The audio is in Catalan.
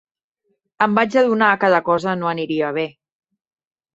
Em vaig adonar que la cosa no aniria bé.